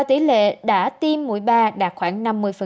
tỷ lệ đã tiêm mũi ba đạt khoảng năm mươi